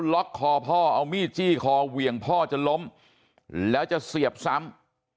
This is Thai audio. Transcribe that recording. ล็อกคอพ่อเอามีดจี้คอเหวี่ยงพ่อจนล้มแล้วจะเสียบซ้ำ